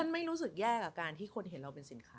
ไม่รู้สึกแย่กับการที่คนเห็นเราเป็นสินค้า